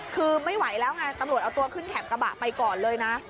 คือไม่ไหวแล้วไงตำรวจเอาตัวขึ้นแถบกระบะไปก่อนเลยนะ